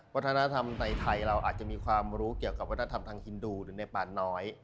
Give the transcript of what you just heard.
วัฒนธรรมในไทยเราอาจจะมีความรู้เกี่ยวกับวัฒนธรรมทางฮินดูหรือในป่าน้อย